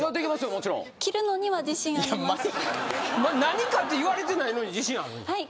もちろん何かって言われてないのに自信ある？